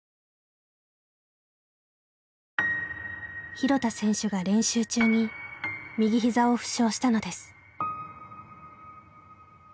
廣田選手が練習中に右ひざを負傷したのです。